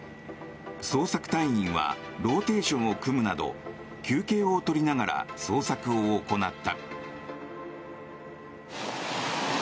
捜索隊員はローテーションを組むなど休憩を取りながら捜索を行った。